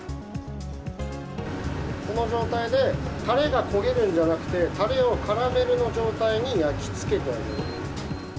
この状態で、たれが焦げるんじゃなくて、たれをカラメルの状態に焼き付けてあげる。